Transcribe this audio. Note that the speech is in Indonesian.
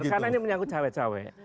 karena ini menyangkut cewek cewek